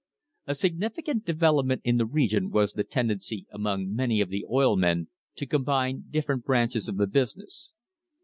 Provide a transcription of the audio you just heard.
A significant development in the region was the tendency among many of the oil men to combine different branches of the business.